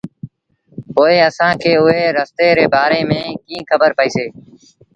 پوء اسآݩٚ کي اُئي رستي ري بآري ميݩ ڪيٚنٚ کبر پئيٚسي؟